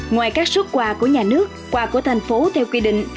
ngoài các xuất quà của nhà nước quà của thành phố theo quy định